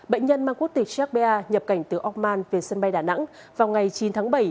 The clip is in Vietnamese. bệnh nhân mang quốc tịch serbia nhập cảnh từ okman về sân bay đà nẵng vào ngày chín tháng bảy